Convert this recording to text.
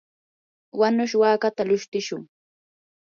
wanush wakata lushtishun.